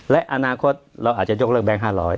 และอนาคตเราอาจจะยกเลิกแบงค์๕๐๐